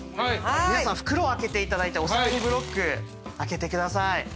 皆さん袋開けていただいてお皿にブロック開けてください。